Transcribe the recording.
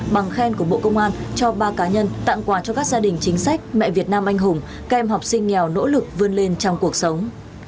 bằng khen của bộ công an cho ba cá nhân tặng quà cho các gia đình chính sách mẹ việt nam anh hùng kèm học sinh nghèo nỗ lực vươn lên trong cuộc sống